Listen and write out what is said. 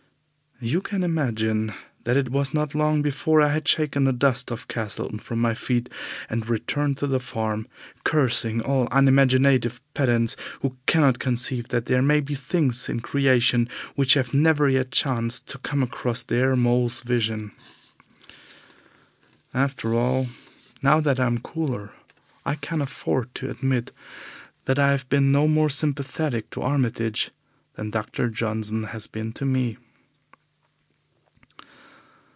You can imagine that it was not long before I had shaken the dust of Castleton from my feet and returned to the farm, cursing all unimaginative pedants who cannot conceive that there may be things in creation which have never yet chanced to come across their mole's vision. After all, now that I am cooler, I can afford to admit that I have been no more sympathetic to Armitage than Dr. Johnson has been to me.